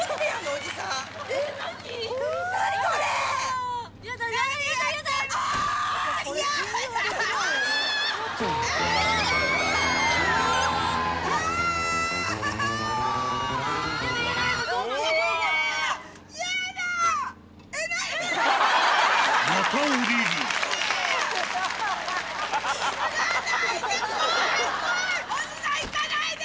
おじさん行かないで！